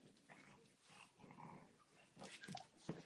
Bendito seas por siempre, Señor.